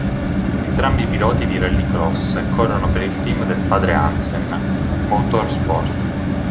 Entrambi piloti di rallycross e corrono per il team del padre Hansen Motorsport.